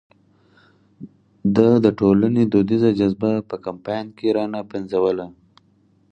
ده د ټولنې دودیزه جذبه په کمپاین کې را نه پنځوله.